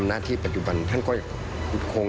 สวัสดีครับทุกคน